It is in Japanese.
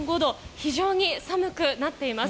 非常に寒くなっています。